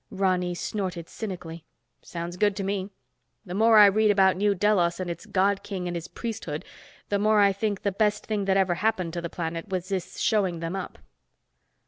Ronny snorted cynically. "Sounds good to me. The more I read about New Delos and its God King and his priesthood, the more I think the best thing that ever happened to the planet was this showing them up."